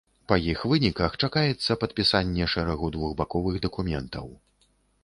Па іх выніках чакаецца падпісанне шэрагу двухбаковых дакументаў.